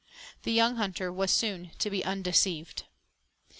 The young hunter was soon to be undeceived.